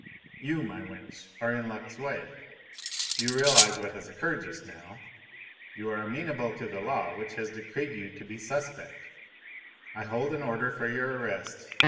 You, my wench, are in luck's way. You realise what has occurred just now. You are amenable to the law which has decreed you to be suspect. I hold an order for your arrest.